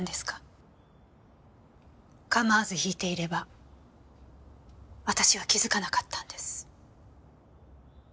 構わず弾いていれば私は気づかなかったんです。